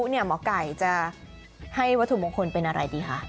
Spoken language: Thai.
หมอไก่จะให้วัตถุมงคลเป็นอะไรดีคะ